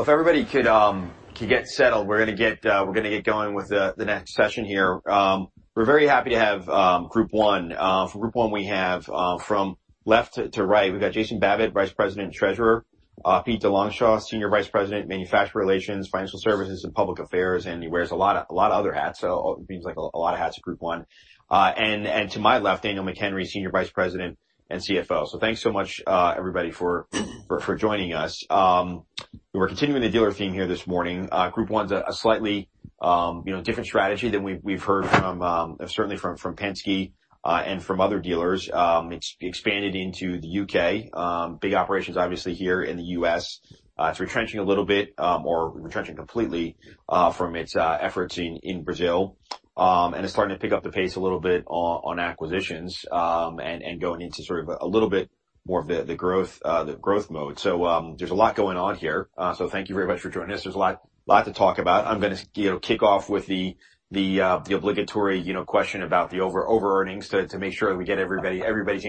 Well, if everybody could get settled, we're gonna get going with the next session here. We're very happy to have Group 1 Automotive. For Group 1 Automotive we have from left to right, we've got Jason Babbitt, Vice President and Treasurer, Pete DeLongchamps, Senior Vice President, Manufacturer Relations, Financial Services, and Public Affairs, and he wears a lot of other hats. It seems like a lot of hats at Group 1 Automotive. And to my left, Daniel McHenry, Senior Vice President and CFO. Thanks so much, everybody, for joining us. We're continuing the dealer theme here this morning. Group 1 Automotive's a slightly, you know, different strategy than we've heard from certainly from Penske and from other dealers. It's expanded into the U.K. Big operations obviously here in the U.S. It's retrenching a little bit or retrenching completely from its efforts in Brazil. It's starting to pick up the pace a little bit on acquisitions and going into sort of a little bit more of the growth mode. There's a lot going on here. Thank you very much for joining us. There's a lot to talk about. I'm gonna you know, kick off with the obligatory, you know, question about the overall earnings to make sure that we get everybody's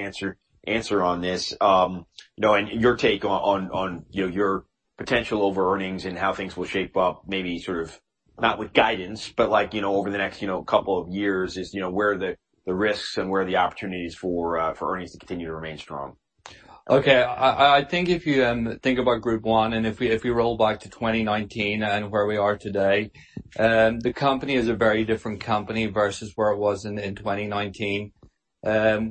answer on this. You know, your take on, you know, your potential over earnings and how things will shape up, maybe sort of not with guidance, but like, you know, over the next, you know, couple of years is, you know, where are the risks and where are the opportunities for earnings to continue to remain strong? Okay. I think if you think about Group 1, and if we roll back to 2019 and where we are today, the company is a very different company versus where it was in 2019.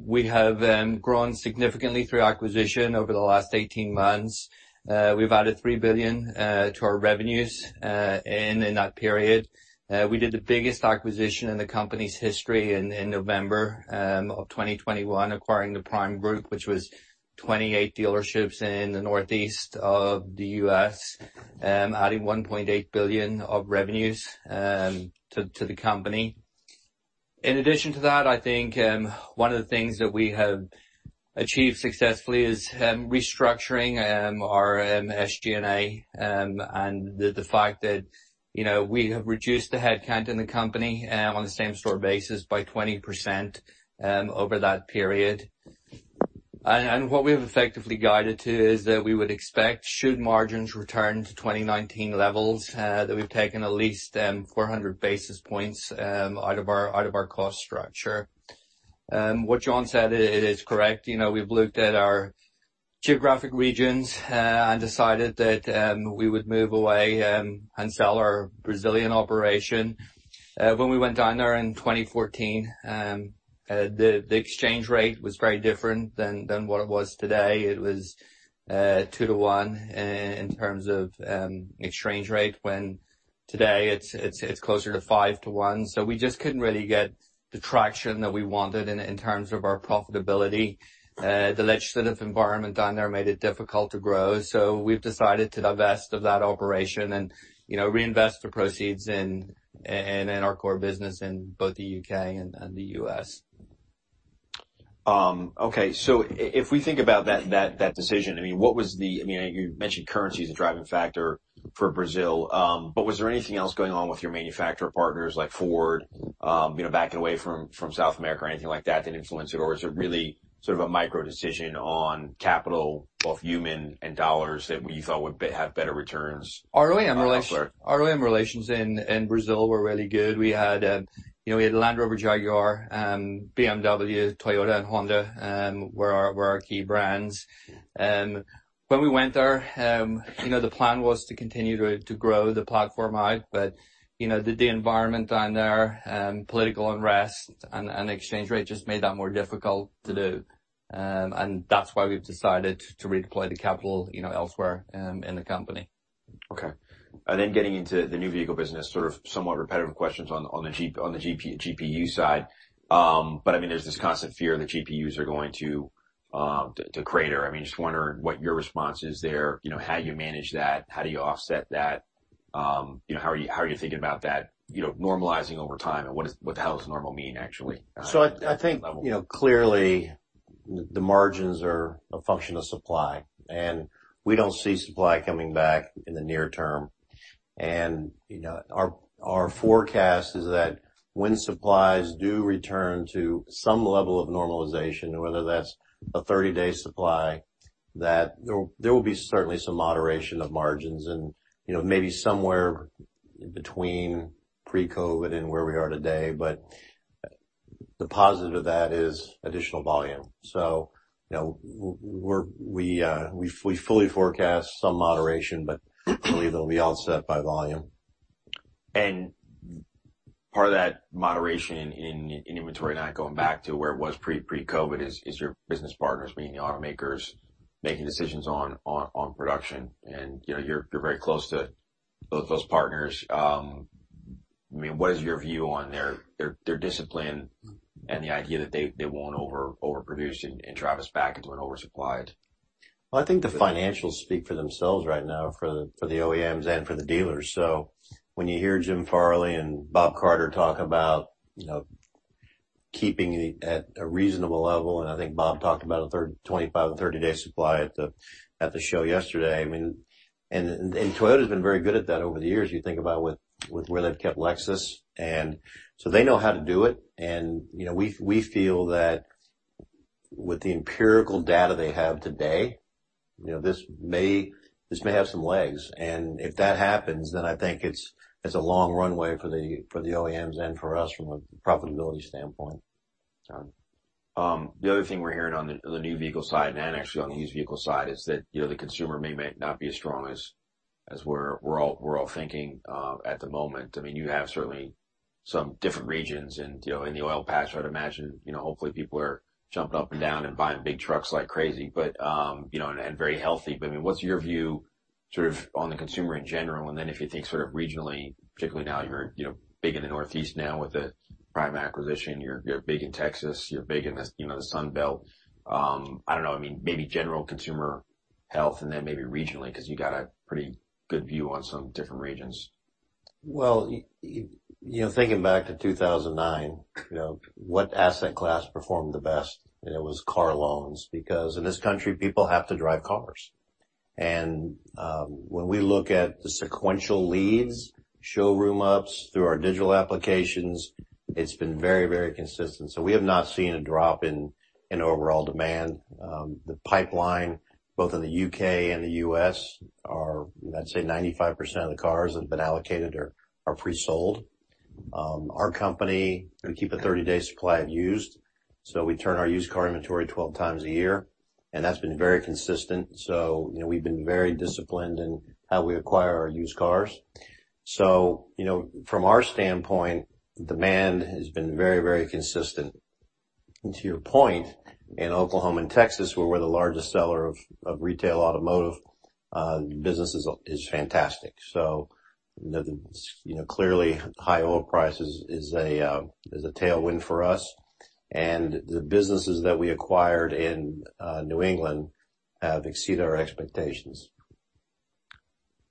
We have grown significantly through acquisition over the last 18 months. We've added $3 billion to our revenues in that period. We did the biggest acquisition in the company's history in November of 2021, acquiring the Prime Group, which was 28 dealerships in the Northeast of the U.S., adding $1.8 billion of revenues to the company. In addition to that, I think one of the things that we have achieved successfully is restructuring our SG&A and the fact that, you know, we have reduced the headcount in the company on a same-store basis by 20% over that period. What we have effectively guided to is that we would expect, should margins return to 2019 levels, we've taken at least 400 basis points out of our cost structure. What John said is correct. You know, we've looked at our geographic regions and decided that we would move away and sell our Brazilian operation. When we went down there in 2014, the exchange rate was very different than what it was today. It was 2 -to- 1 in terms of exchange rate, when today it's closer to 5 -to- 1. We just couldn't really get the traction that we wanted in terms of our profitability. The legislative environment down there made it difficult to grow, so we've decided to divest of that operation and, you know, reinvest the proceeds in our core business in both the U.K. and the U.S. If we think about that decision, I mean, what was the I mean, you mentioned currency is a driving factor for Brazil, but was there anything else going on with your manufacturer partners like Ford, you know, backing away from South America or anything like that influenced you? Or was it really sort of a macro decision on capital, both human and dollars, that you thought would have better returns? Our OEM relations. -elsewhere? Our OEM relations in Brazil were really good. We had Land Rover, Jaguar, BMW, Toyota, and Honda were our key brands. When we went there, you know, the plan was to continue to grow the platform out, but, you know, the environment down there, political unrest and exchange rate just made that more difficult to do. And that's why we've decided to re-deploy the capital, you know, elsewhere in the company. Okay. Then getting into the new vehicle business, sort of somewhat repetitive questions on the GPU side. But I mean, there's this constant fear that GPUs are going to crater. I mean, just wondering what your response is there. You know, how do you manage that? How do you offset that? You know, how are you thinking about that, you know, normalizing over time? What the hell does normal mean, actually? At that level. I think, you know, clearly the margins are a function of supply, and we don't see supply coming back in the near term. You know, our forecast is that when supplies do return to some level of normalization, whether that's a 30-day supply, that there will be certainly some moderation of margins and, you know, maybe somewhere between Pre-COVID and where we are today. The positive of that is additional volume. You know, we're fully forecast some moderation, but believe it'll be offset by volume. Part of that moderation in inventory not going back to where it was Pre-COVID is your business partners, meaning the automakers, making decisions on production. You know, you're very close to those partners. I mean, what is your view on their discipline and the idea that they won't overproduce and drive us back into an oversupply? Well, I think the financials speak for themselves right now for the OEMs and for the dealers. When you hear Jim Farley and Bob Carter talk about, you know, keeping it at a reasonable level, and I think Bob talked about a third, 25- to 30-day supply at the show yesterday. I mean, and Toyota's been very good at that over the years. You think about with where they've kept Lexus. They know how to do it. You know, we feel that with the empirical data they have today, you know, this may have some legs. If that happens, then I think it's a long runway for the OEMs and for us from a profitability standpoint. The other thing we're hearing on the new vehicle side and actually on the used vehicle side is that, you know, the consumer may not be as strong as we're all thinking at the moment. I mean, you have certainly some different regions and, you know, in the oil patch, I would imagine, you know, hopefully people are jumping up and down and buying big trucks like crazy, but, you know, and very healthy. But, I mean, what's your view sort of on the consumer in general? And then if you think sort of regionally, particularly now you're big in the Northeast now with the Prime acquisition. You're big in Texas. You're big in the Sun Belt. I don't know, I mean, maybe general consumer health and then maybe regionally, 'cause you got a pretty good view on some different regions. Well, you know, thinking back to 2009, you know, what asset class performed the best? It was car loans because in this country, people have to drive cars. When we look at the sequential leads, showroom ups through our digital applications, it's been very, very consistent. We have not seen a drop in overall demand. The pipeline, both in the U.K. and the U.S. are, let's say, 95% of the cars have been allocated or are pre-sold. Our company, we keep a 30-day supply of used, so we turn our used car inventory 12 times a year, and that's been very consistent. You know, we've been very disciplined in how we acquire our used cars. You know, from our standpoint, demand has been very, very consistent. To your point, in Oklahoma and Texas, where we're the largest seller of retail automotive business is fantastic. You know, clearly, high oil prices is a tailwind for us. The businesses that we acquired in New England have exceeded our expectations.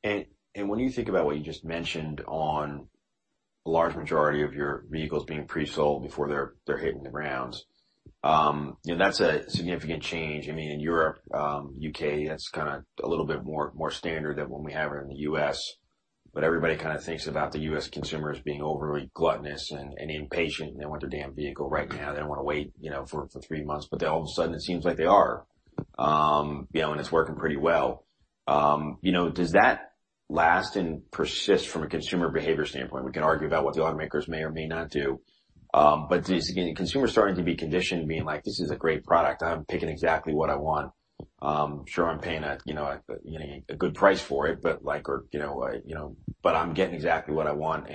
When you think about what you just mentioned on a large majority of your vehicles being pre-sold before they're hitting the grounds, you know, that's a significant change. I mean, in Europe, U.K., that's kinda a little bit more standard than what we have here in the U.S., but everybody kinda thinks about the U.S. consumer as being overly gluttonous and impatient, and they want their damn vehicle right now. They don't wanna wait, you know, for three months. Then all of a sudden, it seems like they are, you know, and it's working pretty well. You know, does that last and persist from a consumer behavior standpoint? We can argue about what the automakers may or may not do. But does, again, the consumer starting to be conditioned, being like, "This is a great product. I'm picking exactly what I want. Sure, I'm paying a, you know, a good price for it, but, you know, but I'm getting exactly what I want."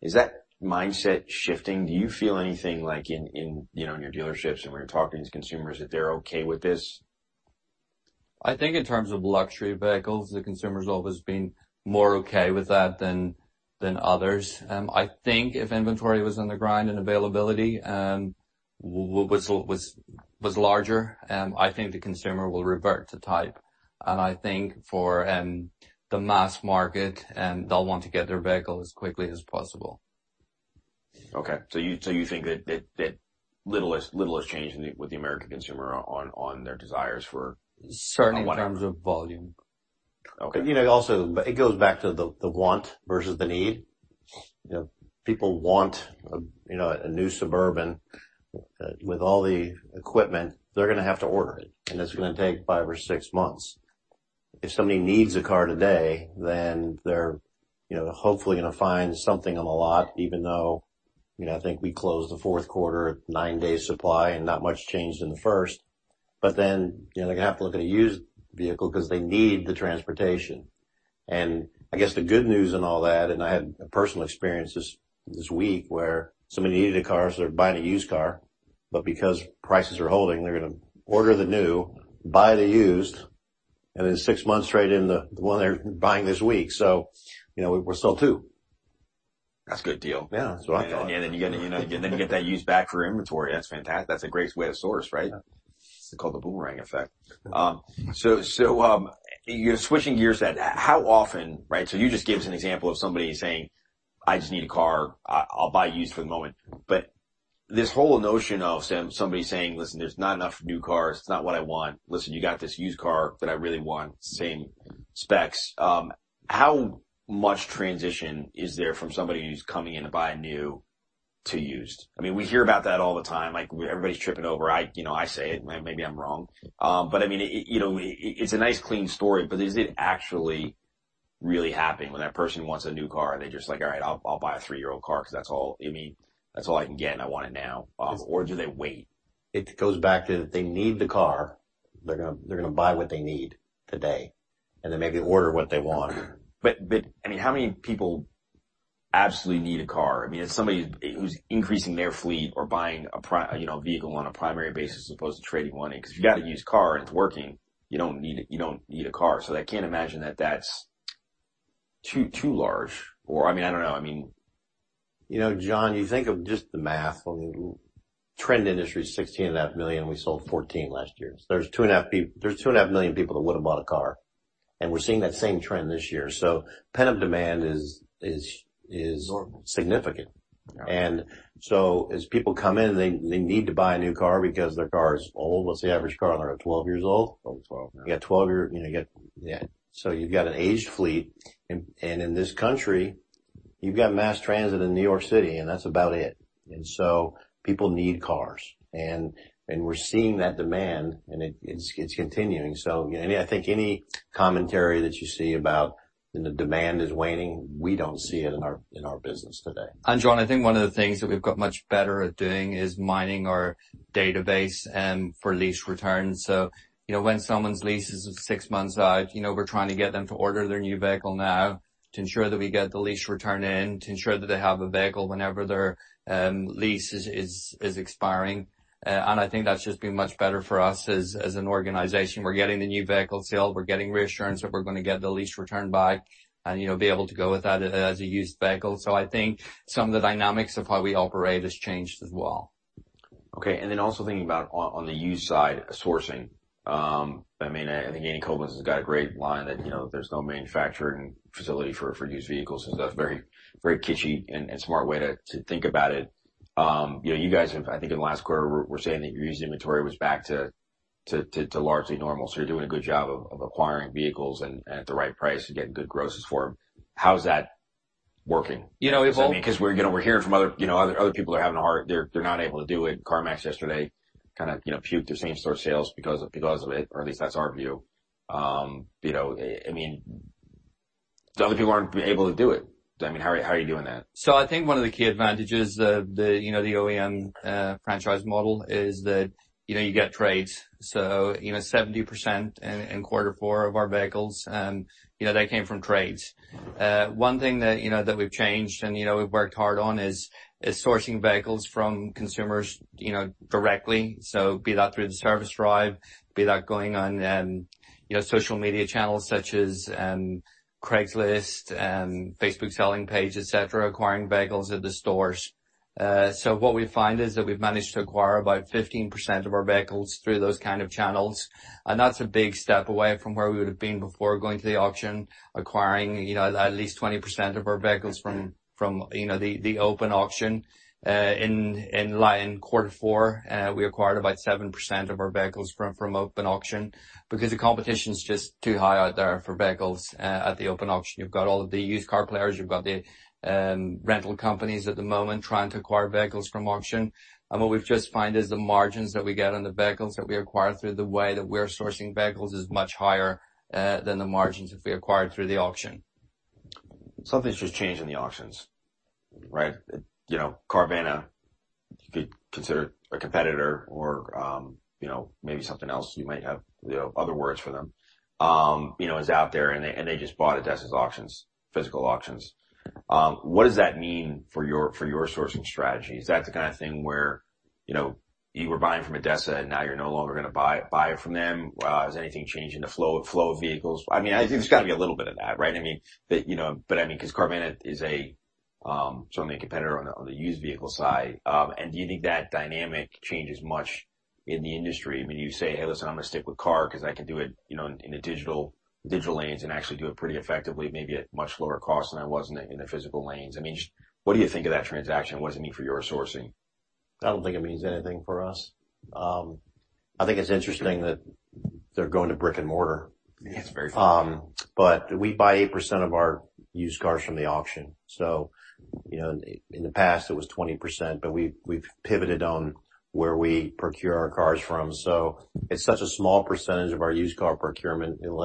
Is that mindset shifting? Do you feel anything like, you know, in your dealerships and when you're talking to consumers, that they're okay with this? I think in terms of luxury vehicles, the consumer's always been more okay with that than others. I think if inventory was on the ground and availability was larger, I think the consumer will revert to type. I think for the mass market, they'll want to get their vehicle as quickly as possible. Okay. You think that little has changed with the American consumer on their desires for Certainly in terms of volume. Okay. You know, also it goes back to the want versus the need. You know, people want a, you know, a new Suburban with all the equipment. They're gonna have to order it, and it's gonna take five or six months. If somebody needs a car today, then they're, you know, hopefully gonna find something on the lot, even though, you know, I think we closed the Q4 at nine-day supply and not much changed in the first. You know, they're gonna have to look at a used vehicle 'cause they need the transportation. I guess the good news in all that, and I had a personal experience this week where somebody needed a car, so they're buying a used car. because prices are holding, they're gonna order the new, buy the used, and then six months trade in the one they're buying this week. You know, we sold two. That's a good deal. Yeah, that's what I thought. Then you get that used back for inventory. That's fantastic. That's a great way to source, right? It's called the boomerang effect. You're switching gears then. Right? You just gave us an example of somebody saying, "I just need a car. I'll buy used for the moment." But this whole notion of somebody saying, "Listen, there's not enough new cars. It's not what I want. Listen, you got this used car that I really want, same specs." How much transition is there from somebody who's coming in to buy new to used? I mean, we hear about that all the time. Like everybody's tripping over. You know, I say it, maybe I'm wrong. I mean, you know, it's a nice clean story, but is it actually really happening when that person wants a new car? Are they just like, "All right, I'll buy a three-year-old car 'cause that's all, I mean, that's all I can get, and I want it now." or do they wait? It goes back to that they need the car. They're gonna buy what they need today, and then maybe order what they want. I mean, how many people absolutely need a car? I mean, if somebody who's increasing their fleet or buying a vehicle on a primary basis as opposed to trading one in, 'cause if you got a used car and it's working, you don't need a car. I can't imagine that that's too large. Or, I mean, I don't know. You know, John, you think of just the math. I mean, the industry is 16.5 million. We sold 14 last year. There's 2.5 million people that would've bought a car, and we're seeing that same trend this year. Pent-up demand is. Normal ...significant. Yeah. As people come in, they need to buy a new car because their car is old. What's the average car on there, 12 years old? 12, yeah. You've got an aged fleet. In this country, you've got mass transit in New York City, and that's about it. People need cars, and we're seeing that demand, and it's continuing. I think any commentary that you see about the demand is waning. We don't see it in our business today. John, I think one of the things that we've got much better at doing is mining our database for lease returns. You know, when someone's lease is six months out, you know, we're trying to get them to order their new vehicle now to ensure that we get the lease return in, to ensure that they have a vehicle whenever their lease is expiring. I think that's just been much better for us as an organization. We're getting the new vehicle sale. We're getting reassurance that we're gonna get the lease returned by, and, you know, be able to go with that as a used vehicle. I think some of the dynamics of how we operate has changed as well. Okay. Also thinking about on the used side sourcing. I mean, I think Daryl Kenningham has got a great line that, you know, there's no manufacturing facility for used vehicles. That's a very kitschy and smart way to think about it. You know, you guys have. I think in the last quarter we're saying that your used inventory was back to largely normal. You're doing a good job of acquiring vehicles and at the right price to get good grosses for them. How is that working? You know, it's all. Because we're hearing from other people. They're not able to do it. CarMax yesterday kind of puked their same store sales because of it or at least that's our view. You know, I mean, the other people aren't able to do it. I mean, how are you doing that? I think one of the key advantages, you know, the OEM franchise model is that, you know, you get trades, so, you know, 70% in quarter four of our vehicles, you know, they came from trades. One thing that, you know, that we've changed and, you know, we've worked hard on is sourcing vehicles from consumers, you know, directly. Be that through the service drive, be that going on, you know, social media channels such as Craigslist and Facebook selling pages, et cetera, acquiring vehicles at the stores. What we find is that we've managed to acquire about 15% of our vehicles through those kind of channels. That's a big step away from where we would have been before going to the auction, acquiring you know, at least 20% of our vehicles from you know, the open auction. In quarter four, we acquired about 7% of our vehicles from open auction because the competition is just too high out there for vehicles at the open auction. You've got all of the used car players. You've got the rental companies at the moment trying to acquire vehicles from auction. What we've just find is the margins that we get on the vehicles that we acquire through the way that we're sourcing vehicles is much higher than the margins if we acquired through the auction. Something's just changed in the auctions, right? You know, Carvana could be considered a competitor or, you know, maybe something else you might have, you know, other words for them, you know, is out there, and they just bought ADESA Auctions, physical auctions. What does that mean for your sourcing strategy? Is that the kind of thing where, you know, you were buying from ADESA, and now you're no longer gonna buy it from them? Has anything changed in the flow of vehicles? I mean, I think there's got to be a little bit of that, right? I mean, because Carvana is certainly a competitor on the used vehicle side. Do you think that dynamic changes much in the industry? I mean, you say, "Hey, listen, I'm gonna stick with Car because I can do it, you know, in the digital lanes and actually do it pretty effectively, maybe at much lower cost than I was in the physical lanes." I mean, just what do you think of that transaction? What does it mean for your sourcing? I don't think it means anything for us. I think it's interesting that they're going to brick-and-mortar. Yeah. It's very fun. We buy 8% of our used cars from the auction. You know, in the past, it was 20%, but we've pivoted on where we procure our cars from. It's such a small percentage of our used car procurement, it will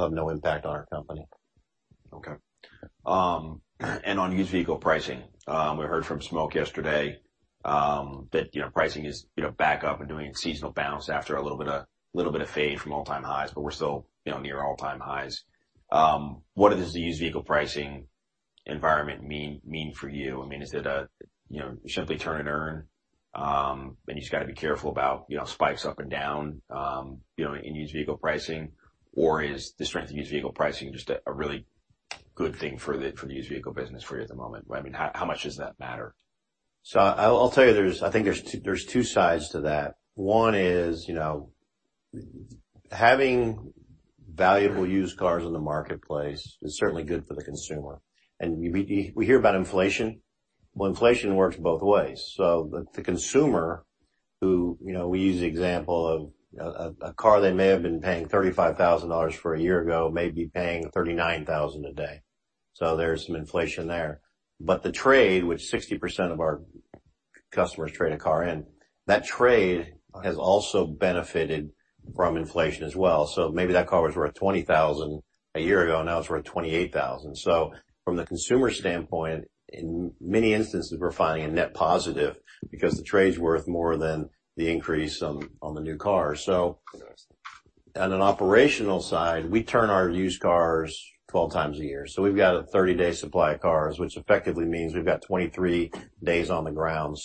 have no impact on our company. Okay. On used vehicle pricing, we heard from Smoke yesterday that, you know, pricing is, you know, back up and doing seasonal bounce after a little bit of fade from all-time highs, but we're still, you know, near all-time highs. What does the used vehicle pricing environment mean for you? I mean, is it, you know, simply turn and earn, and you just got to be careful about, you know, spikes up and down, you know, in used vehicle pricing? Or is the strength of used vehicle pricing just a really good thing for the used vehicle business for you at the moment? I mean, how much does that matter? I'll tell you, I think there's two sides to that. One is, you know, having valuable used cars in the marketplace is certainly good for the consumer. We hear about inflation. Well, inflation works both ways. The consumer who, you know, we use the example of a car they may have been paying $35,000 for a year ago may be paying $39,000 today. There's some inflation there. The trade, which 60% of our customers trade a car in, that trade has also benefited from inflation as well. Maybe that car was worth $20,000 a year ago, now it's worth $28,000. From the consumer standpoint, in many instances, we're finding a net positive because the trade's worth more than the increase on the new car. Nice. On an operational side, we turn our used cars 12 times a year. We've got a 30-day supply of cars, which effectively means we've got 23 days on the ground.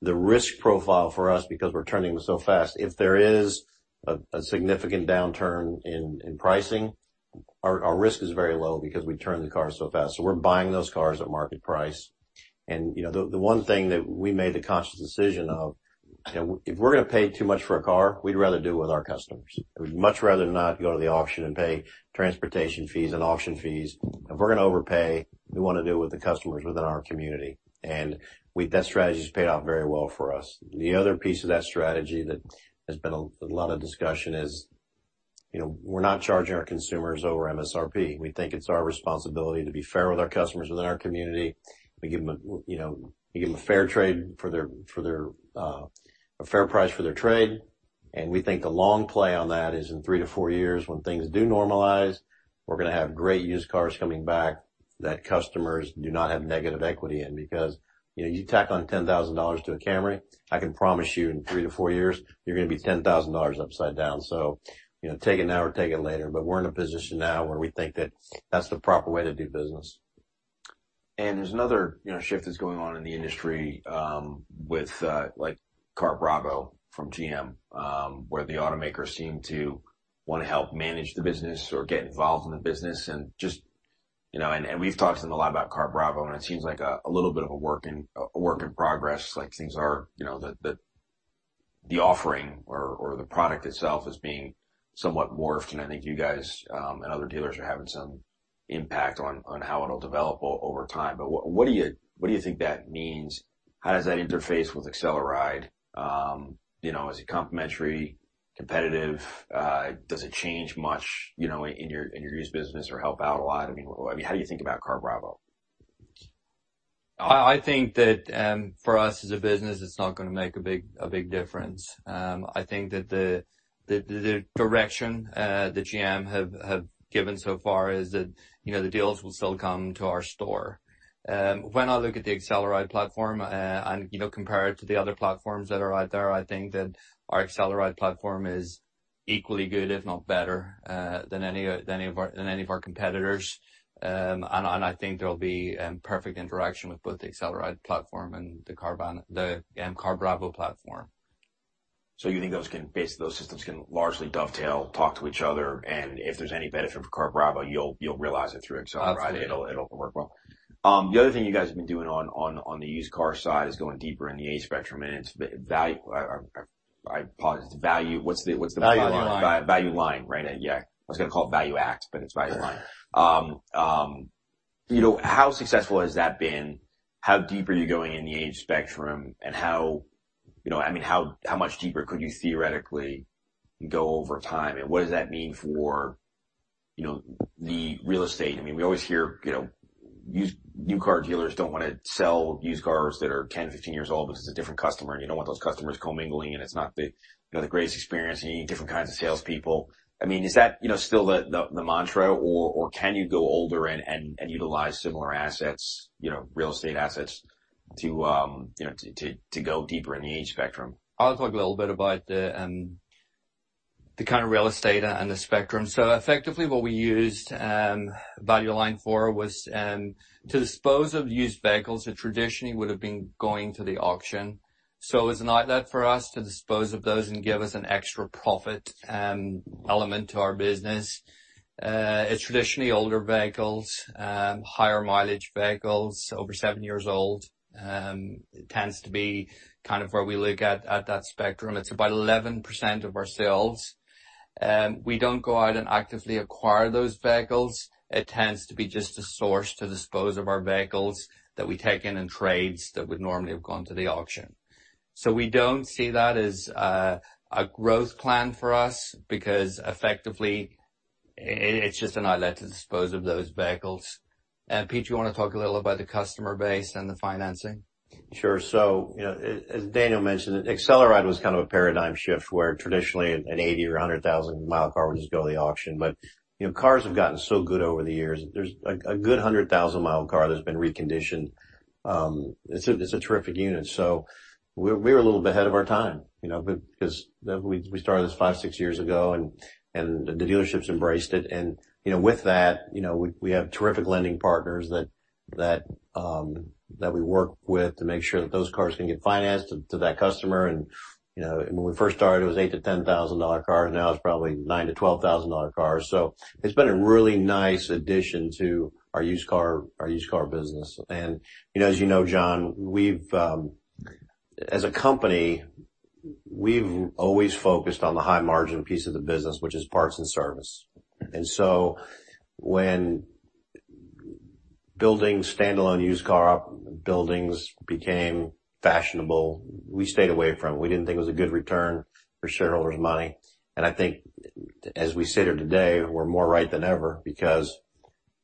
The risk profile for us, because we're turning so fast, if there is a significant downturn in pricing, our risk is very low because we turn the cars so fast. We're buying those cars at market price. You know, the one thing that we made the conscious decision of, you know, if we're gonna pay too much for a car, we'd rather do it with our customers. We'd much rather not go to the auction and pay transportation fees and auction fees. If we're gonna overpay, we wanna do it with the customers within our community. That strategy has paid off very well for us. The other piece of that strategy that has been a lot of discussion is. You know, we're not charging our consumers over MSRP. We think it's our responsibility to be fair with our customers within our community. We give them a fair trade for their a fair price for their trade, and we think the long play on that is in three to four years when things do normalize, we're gonna have great used cars coming back that customers do not have negative equity in because, you know, you tack on $10,000 to a Camry, I can promise you in three to four years you're gonna be $10,000 upside down. You know, take it now or take it later. We're in a position now where we think that that's the proper way to do business. There's another, you know, shift that's going on in the industry, with, like, CarBravo from GM, where the automakers seem to wanna help manage the business or get involved in the business and just, you know. We've talked to them a lot about CarBravo, and it seems like a little bit of a work in progress. Like, things are, you know, the offering or the product itself is being somewhat morphed, and I think you guys, and other dealers are having some impact on how it'll develop over time. But what do you think that means? How does that interface with AcceleRide? You know, is it complementary? Competitive? Does it change much, you know, in your used business or help out a lot? I mean, how do you think about CarBravo? I think that for us as a business, it's not gonna make a big difference. I think that the direction that GM have given so far is that, you know, the deals will still come to our store. When I look at the AcceleRide platform and, you know, compare it to the other platforms that are out there, I think that our AcceleRide platform is equally good, if not better than any of our competitors. I think there'll be perfect interaction with both the AcceleRide platform and the CarBravo platform. Basically those systems can largely dovetail, talk to each other, and if there's any benefit for CarBravo, you'll realize it through AcceleRide. Absolutely. It'll work well. The other thing you guys have been doing on the used car side is going deeper in the age spectrum, and it's Val-U-Line. What's the- Val-U-Line. Val-U-Line, right. Yeah. I was gonna call it Val-U-Line, but it's Val-U-Line. You know, how successful has that been? How deep are you going in the age spectrum, and how, you know. I mean, how much deeper could you theoretically go over time, and what does that mean for, you know, the real estate? I mean, we always hear, you know, used. New car dealers don't wanna sell used cars that are 10, 15 years old because it's a different customer, and you don't want those customers commingling, and it's not the, you know, the greatest experience, and you need different kinds of salespeople. I mean, is that, you know, still the mantra or can you go older and utilize similar assets, you know, real estate assets to, you know, to go deeper in the age spectrum? I'll talk a little bit about the kind of real estate and the spectrum. Effectively what we used Val-U-Line for was to dispose of used vehicles that traditionally would've been going to the auction. It was an outlet for us to dispose of those and give us an extra profit element to our business. It's traditionally older vehicles, higher mileage vehicles over seven years old. It tends to be kind of where we look at that spectrum. It's about 11% of our sales. We don't go out and actively acquire those vehicles. It tends to be just a source to dispose of our vehicles that we take in in trades that would normally have gone to the auction. We don't see that as a growth plan for us because effectively it's just an outlet to dispose of those vehicles. Pete, do you wanna talk a little about the customer base and the financing? Sure. You know, as Daniel mentioned, AcceleRide was kind of a paradigm shift, where traditionally an 80- or 100,000-mile car would just go to the auction. You know, cars have gotten so good over the years. There's a good 100,000-mile car that's been reconditioned, it's a terrific unit. We were a little bit ahead of our time, you know. Because we started this five-six years ago, and the dealerships embraced it. You know, with that, you know, we have terrific lending partners that we work with to make sure that those cars can get financed to that customer. You know, when we first started, it was $8,000-$10,000 cars. Now it's probably $9,000-$12,000 cars. It's been a really nice addition to our used car business. You know, John, as a company, we've always focused on the high margin piece of the business, which is parts and service. When building standalone used car buildings became fashionable, we stayed away from it. We didn't think it was a good return for shareholders' money. I think as we sit here today, we're more right than ever because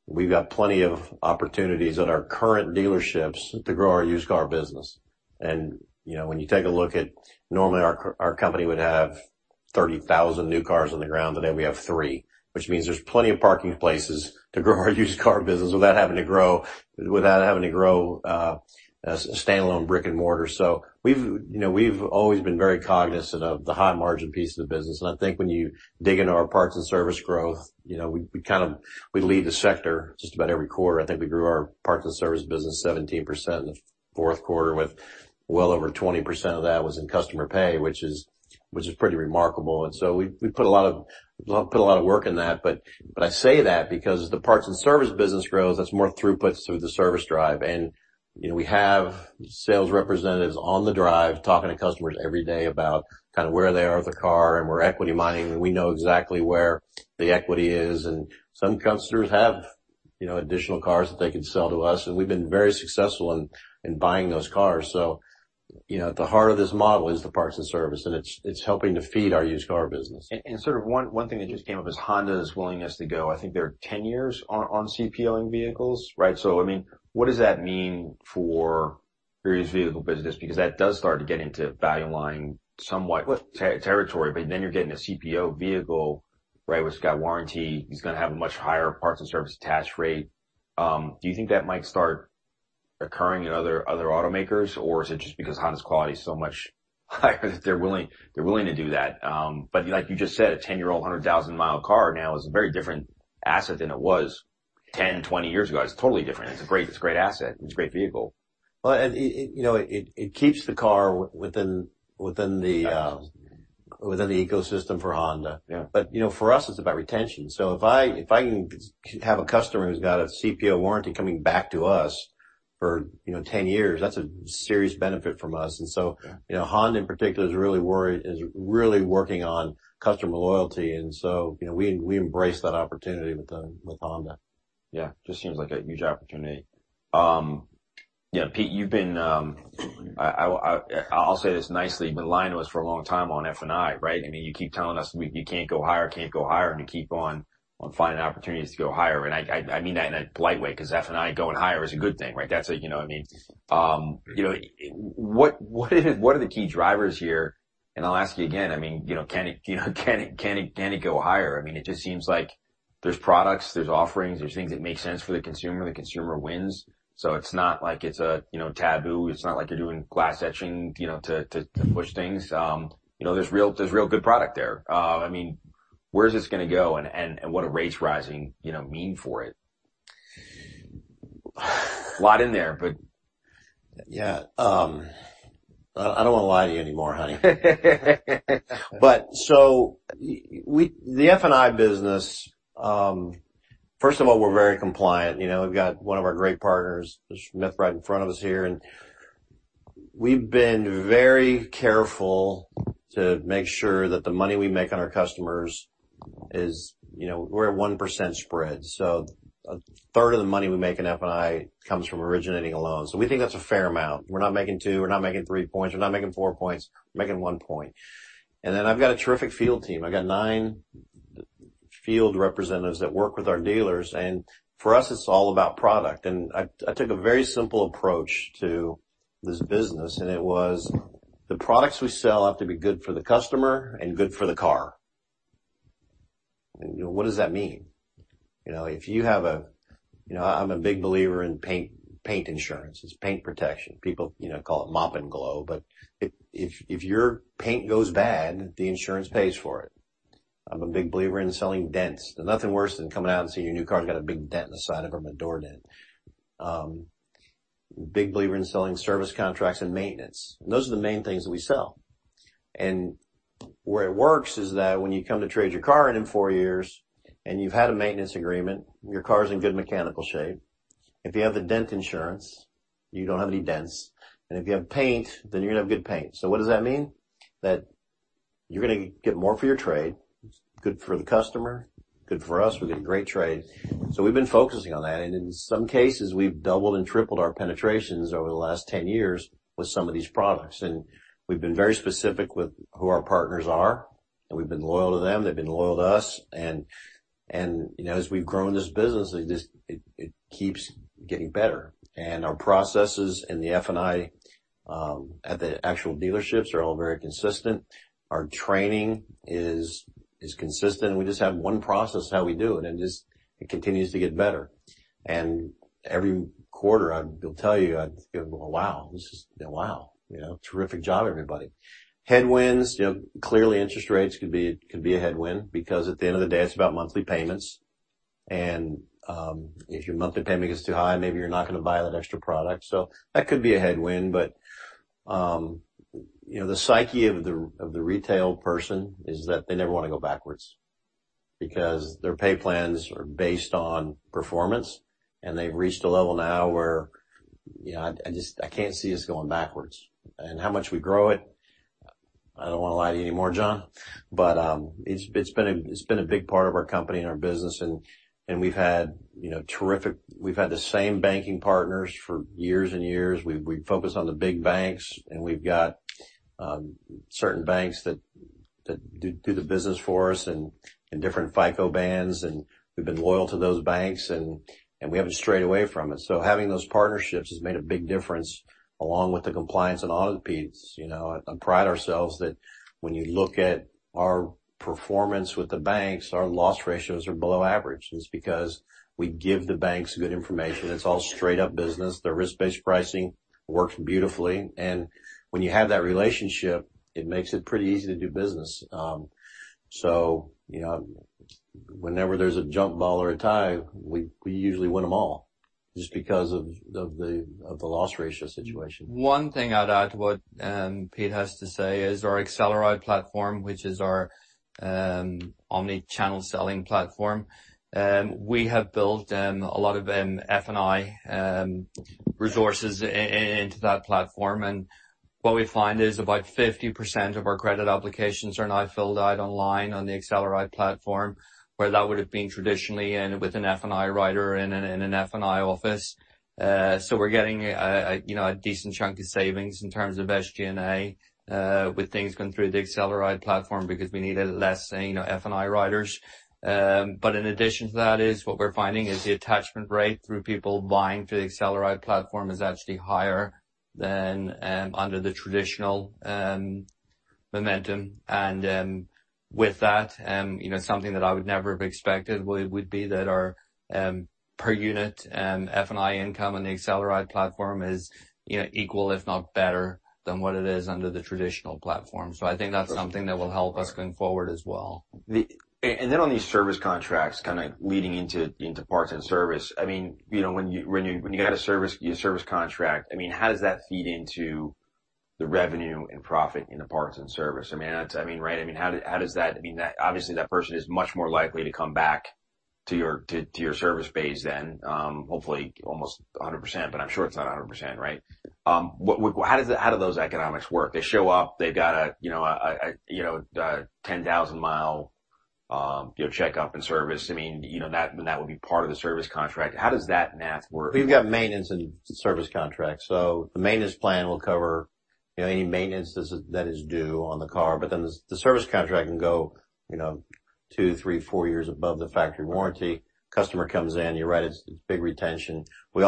we've got plenty of opportunities at our current dealerships to grow our used car business. You know, when you take a look at, normally our company would have 30,000 new cars on the ground. Today we have three, which means there's plenty of parking places to grow our used car business without having to grow a standalone brick-and-mortar. We've, you know, we've always been very cognizant of the high margin piece of the business, and I think when you dig into our parts and service growth, you know, we kind of lead the sector just about every quarter. I think we grew our parts and service business 17% in the Q4, with well over 20% of that was in customer pay, which is pretty remarkable. We put a lot of work in that. I say that because as the parts and service business grows, that's more throughput through the service drive. You know, we have sales representatives on the drive talking to customers every day about kinda where they are with their car and we're equity mining, and we know exactly where the equity is. Some customers have, you know, additional cars that they could sell to us, and we've been very successful in buying those cars. You know, the heart of this model is the parts and service, and it's helping to feed our used car business. Sort of one thing that just came up is Honda's willingness to go. I think they're 10 years on CPOing vehicles, right? I mean, what does that mean for your used vehicle business? Because that does start to get into Val-U-Line somewhat with territory, but then you're getting a CPO vehicle, right, which has got warranty. He's gonna have a much higher parts and service attach rate. Do you think that might start occurring in other automakers, or is it just because Honda's quality is so much higher, they're willing to do that? Like you just said, a 10-year-old, 100,000-mile car now is a very different asset than it was 10, 20 years ago. It's totally different. It's a great asset. It's a great vehicle. Well, it you know it keeps the car within the ecosystem for Honda. Yeah. you know, for us, it's about retention. If I can have a customer who's got a CPO warranty coming back to us for, you know, 10 years, that's a serious benefit from us. Yeah. You know, Honda in particular is really working on customer loyalty. You know, we embrace that opportunity with Honda. Yeah. Just seems like a huge opportunity. Yeah, Pete. I'll say this nicely. You've been lying to us for a long time on F&I, right? I mean, you keep telling us you can't go higher, and you keep on finding opportunities to go higher. I mean that in a polite way because F&I going higher is a good thing, right? That's a, you know what I mean. What are the key drivers here? I'll ask you again. I mean, can it go higher? I mean, it just seems like there's products, there's offerings, there's things that make sense for the consumer. The consumer wins. It's not like it's a taboo. It's not like you're doing glass etching, you know, to push things. You know, there's real good product there. I mean, where is this gonna go? What are rates rising, you know, mean for it? A lot in there, but. Yeah. I don't want to lie to you anymore, honey. The F&I business, first of all, we're very compliant. You know, we've got one of our great partners, Mr. Smith, right in front of us here. We've been very careful to make sure that the money we make on our customers is, you know, we're at 1% spread. A third of the money we make in F&I comes from originating a loan. We think that's a fair amount. We're not making two, we're not making three points, we're not making four points. We're making one point. Then I've got a terrific field team. I got nine field representatives that work with our dealers, and for us, it's all about product. I took a very simple approach to this business, and it was the products we sell have to be good for the customer and good for the car. You know, what does that mean? You know, if you have a. You know, I'm a big believer in paint insurance. It's paint protection. People, you know, call it mop and glow, but if your paint goes bad, the insurance pays for it. I'm a big believer in selling dents. There's nothing worse than coming out and seeing your new car's got a big dent in the side of them, a door dent. Big believer in selling service contracts and maintenance. Those are the main things that we sell. Where it works is that when you come to trade your car in in four years, and you've had a maintenance agreement, your car's in good mechanical shape. If you have the dent insurance, you don't have any dents. If you have paint, then you're going to have good paint. What does that mean? That you're gonna get more for your trade. It's good for the customer, good for us. We get great trade. We've been focusing on that. In some cases, we've doubled and tripled our penetrations over the last 10 years with some of these products. We've been very specific with who our partners are, and we've been loyal to them. They've been loyal to us. You know, as we've grown this business, it just keeps getting better. Our processes in the F&I at the actual dealerships are all very consistent. Our training is consistent. We just have one process how we do it, and it just continues to get better. Every quarter, I'll tell you, I'd go, "Wow, this has been wow. You know, terrific job, everybody." Headwinds, you know, clearly interest rates could be a headwind because at the end of the day, it's about monthly payments. If your monthly payment gets too high, maybe you're not going to buy that extra product. So that could be a headwind. You know, the psyche of the retail person is that they never want to go backwards because their pay plans are based on performance, and they've reached a level now where, you know, I just, I can't see us going backwards. How much we grow it, I don't want to lie to you anymore, John, but it's been a big part of our company and our business, and we've had you know terrific. We've had the same banking partners for years and years. We've focused on the big banks, and we've got certain banks that do the business for us in different FICO bands, and we've been loyal to those banks and we haven't strayed away from it. Having those partnerships has made a big difference along with the compliance and audit fees. You know, I pride ourselves that when you look at our performance with the banks, our loss ratios are below average. It's because we give the banks good information. It's all straight-up business. The risk-based pricing works beautifully. When you have that relationship, it makes it pretty easy to do business. You know, whenever there's a jump ball or a tie, we usually win them all just because of the loss ratio situation. One thing I'd add to what Pete has to say is our AcceleRide platform, which is our omni-channel selling platform. We have built a lot of F&I resources into that platform, and what we find is about 50% of our credit applications are now filled out online on the AcceleRide platform, where that would've been traditionally done with an F&I writer in an F&I office. We're getting a you know a decent chunk of savings in terms of SG&A with things going through the AcceleRide platform because we needed less you know F&I writers. In addition to that what we're finding is the attachment rate through people buying through the AcceleRide platform is actually higher than under the traditional model. With that, you know, something that I would never have expected would be that our per unit F&I income on the AcceleRide platform is, you know, equal if not better than what it is under the traditional platform. I think that's something that will help us going forward as well. Then on these service contracts kinda leading into parts and service. I mean, you know, when you get a service, your service contract, I mean, how does that feed into the revenue and profit in the parts and service? I mean, that's right. I mean, how does that I mean, that obviously that person is much more likely to come back to your service bay than hopefully almost 100%, but I'm sure it's not 100%, right? How do those economics work? They show up, they've got a 10,000-mile checkup and service. I mean, you know, that would be part of the service contract. How does that math work? We've got maintenance and service contracts. The maintenance plan will cover, you know, any maintenance that is due on the car, but then the service contract can go, you know, two, three, four years above the factory warranty. Customer comes in, you're right, it's big retention. We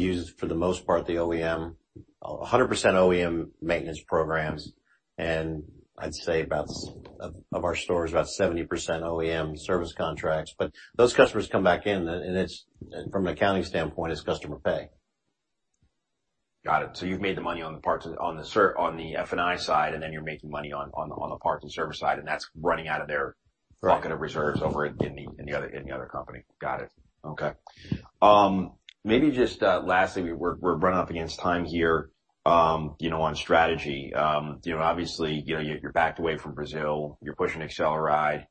use for the most part the OEM, 100% OEM maintenance programs, and I'd say about 70% of our stores, about 70% OEM service contracts. But those customers come back in and it's from an accounting standpoint, it's customer pay. Got it. You've made the money on the parts, on the F&I side, and then you're making money on the parts and service side, and that's running out of their. Right. Bucket of reserves over in the other company. Got it. Okay. Maybe just lastly, we're running up against time here, you know, on strategy. You know, obviously, you know, you're backed away from Brazil, you're pushing AcceleRide,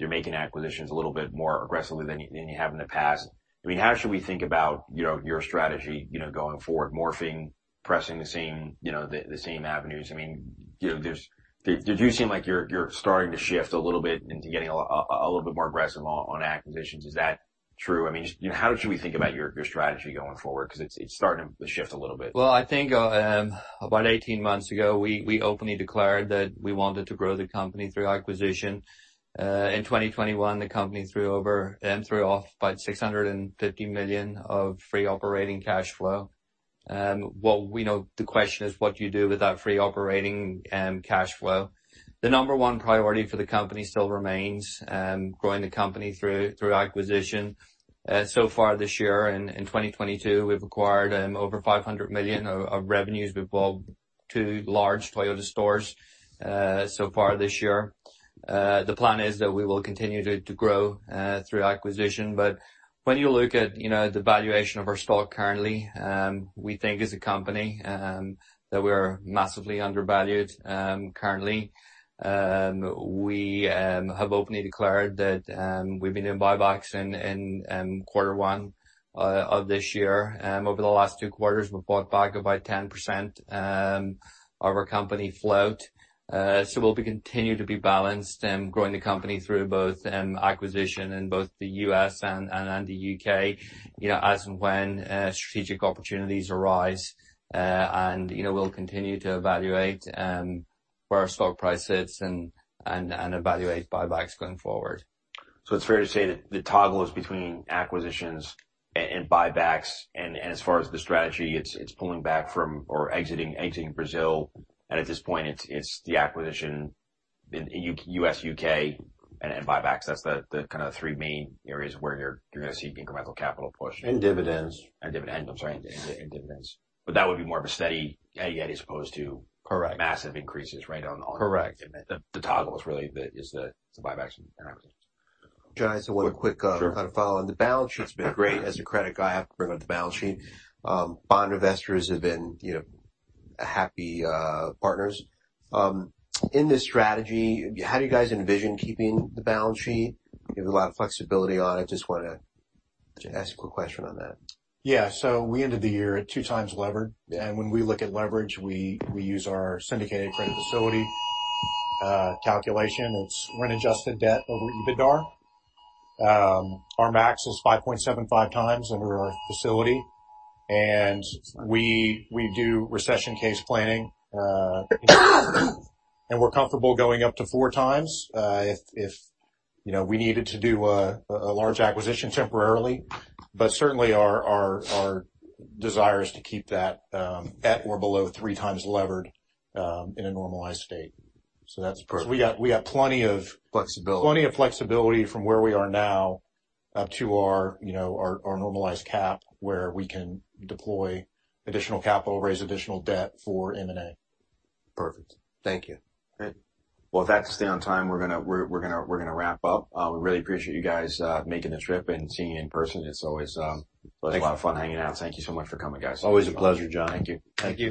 you're making acquisitions a little bit more aggressively than you have in the past. I mean, how should we think about, you know, your strategy, you know, going forward, morphing, pressing the same, you know, the same avenues? I mean, you know, did you seem like you're starting to shift a little bit into getting a little bit more aggressive on acquisitions, is that true? I mean, just, you know, how should we think about your strategy going forward? 'Cause it's starting to shift a little bit. Well, I think about 18 months ago, we openly declared that we wanted to grow the company through acquisition. In 2021, the company threw off about $650 million of free operating cash flow. The question is what you do with that free operating cash flow. The number one priority for the company still remains growing the company through acquisition. So far this year in 2022, we've acquired over $500 million of revenues. We've bought two large Toyota stores so far this year. The plan is that we will continue to grow through acquisition. When you look at you know the valuation of our stock currently, we think as a company that we're massively undervalued currently. We have openly declared that we've been in buybacks in Q1 of this year. Over the last Q2 we've bought back about 10% of our company float. We'll continue to be balanced and growing the company through both acquisition in both the U.S. and the U.K., you know, as and when strategic opportunities arise. You know, we'll continue to evaluate where our stock price sits and evaluate buybacks going forward. It's fair to say that the toggle is between acquisitions and buybacks. As far as the strategy, it's pulling back from or exiting Brazil. At this point, it's the acquisition in U.S., U.K. and buybacks. That's the kinda three main areas where you're gonna see incremental capital push. Dividends. Dividend. I'm sorry. Yeah. Dividends. That would be more of a steady as it gets as opposed to. Correct. massive increases, right, on. Correct. The toggle is really the buybacks and acquisitions. John, I just have one quick Sure. Kind of follow on. The balance sheet's been great. As a credit guy, I have to bring up the balance sheet. Bond investors have been, you know, happy partners. In this strategy, how do you guys envision keeping the balance sheet? You have a lot of flexibility on it. Just wanna ask a quick question on that. We ended the year at 2x levered. When we look at leverage, we use our syndicated credit facility calculation. It's rent-adjusted debt over EBITDA. Our max is 5.75x under our facility. We do recession case planning, and we're comfortable going up to 4x, if you know, we needed to do a large acquisition temporarily. Certainly our desire is to keep that at or below 3x levered in a normalized state. That's Perfect. We got plenty of Flexibility. Plenty of flexibility from where we are now up to our, you know, normalized cap, where we can deploy additional capital, raise additional debt for M&A. Perfect. Thank you. Great. Well, with that to stay on time, we're gonna wrap up. We really appreciate you guys making the trip and seeing you in person. It's always. Thank you. Always a lot of fun hanging out. Thank you so much for coming, guys. Always a pleasure, John. Thank you. Thank you.